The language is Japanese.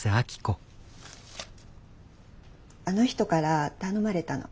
あの人から頼まれたの。